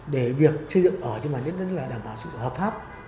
để việc xây dựng ở trên mảnh đất đảm bảo sự hợp pháp